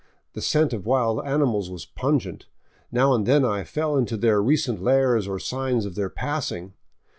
The scent of wild ani mals was pungent ; now afid then I fell into their recent lairs or signs of their passing.